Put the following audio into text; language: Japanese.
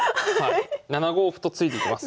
７五歩と突いていきます。